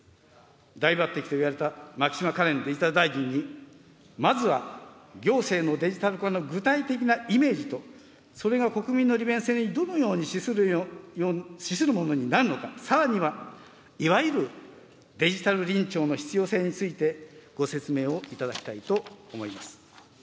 大抜てきといわれた牧島かれんデジタル大臣に、まずは行政のデジタル化の具体的なイメージと、それが国民に利便性にどのように資するものになるのか、さらには、いわゆるデジタル臨調の必要性について、ご説明をいただきたいと思います。